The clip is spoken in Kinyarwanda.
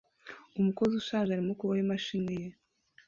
Umukozi ushaje arimo kuboha imashini ye